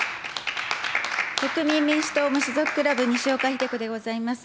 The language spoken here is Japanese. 国民民主党・無所属クラブ、西岡秀子でございます。